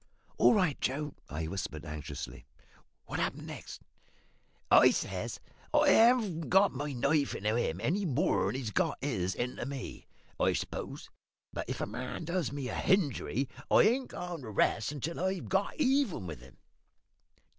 "All right, Joe," I whispered, anxiously; "what happened next?" "I says, `I haven't got my knife into him any more'n he's got his into me, I suppose. But if a man does me a hinjury, I ain't goin' to rest until I've got even with him.'